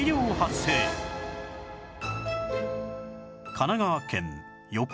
神奈川県横浜市